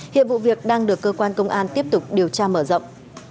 hiện vụ việc đang được cơ quan công an tiếp tục điều tra mở rộng